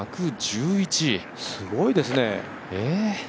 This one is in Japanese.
すごいですね。